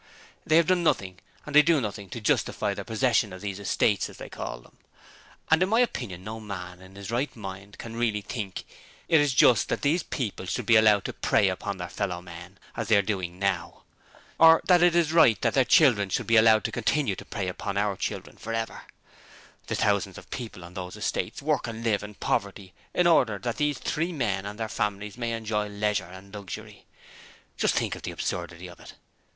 They have done nothing and they do nothing to justify their possession of these "estates" as they call them. And in my opinion no man who is in his right mind can really think it's just that these people should be allowed to prey upon their fellow men as they are doing now. Or that it is right that their children should be allowed to continue to prey upon our children for ever! The thousands of people on those estates work and live in poverty in order that these three men and their families may enjoy leisure and luxury. Just think of the absurdity of it!'